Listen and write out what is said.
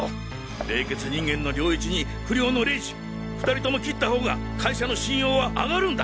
冷血人間の涼一に不良の玲二２人とも切った方が会社の信用は上がるんだ。